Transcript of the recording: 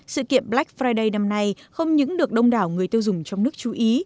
sự kiện black friday năm nay không những được đông đảo người tiêu dùng trong nước chú ý